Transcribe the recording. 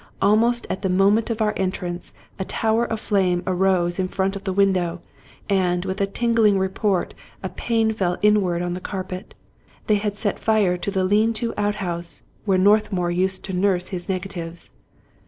Almost at the moment of our entrance, a tower of flame arose in front of the window, and, with a tingling report, a pane fell in ward on the carpet. They had set fire to the lean to out house, where Northmour used to nurse his negatives.